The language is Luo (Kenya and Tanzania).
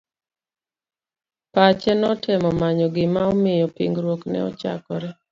Pache notemo manyo gima omiyo pingruok ne ochakre.